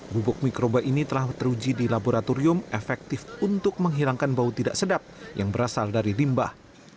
bubuk mikroba ini telah teruji di laboratorium efektif untuk menghilangkan bau tidak sedap yang berasal dari limbah